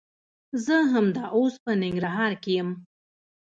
زه همدا اوس په ننګرهار کښي يم.